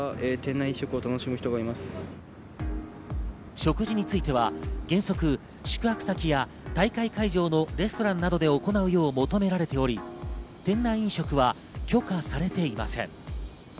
食事については原則、宿泊先や大会会場のレストランなどで行うよう求められており、店内飲食は許可されていません。